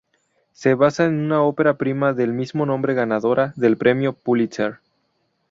Se basa en una ópera prima del mismo nombre ganadora del Premio Pulitzer.